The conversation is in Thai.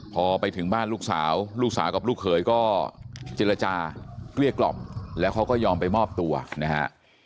พอไปถึงบ้านลูกสาวลูกสาวกับลูกเขยก็เจรจาเกลี้ยกล่อมแล้วเขาก็ยอมไปมอบตัวนะฮะ